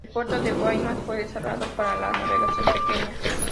El puerto de Guaymas fue cerrado para la navegación pequeña.